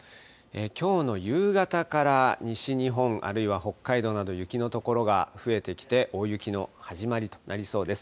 きょうの夕方から西日本、あるいは北海道など、雪の所が増えてきて、大雪の始まりとなりそうです。